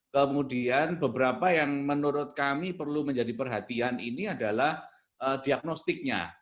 kemudian beberapa yang menurut kami perlu menjadi perhatian ini adalah diagnostiknya